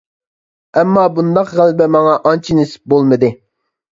ئەمما بۇنداق غەلىبە ماڭا ئانچە نېسىپ بولمىدى.